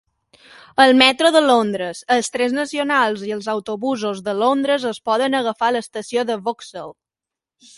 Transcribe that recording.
El metro de Londres, els trens nacionals i els autobusos de Londres es poden agafar a l"estació de Vauxhall.